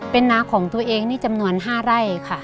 เป็นนาของตัวเองนี่จำนวน๕ไร่ค่ะ